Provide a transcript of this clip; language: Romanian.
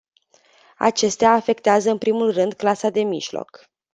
Acestea afectează în primul rând clasa de mijloc.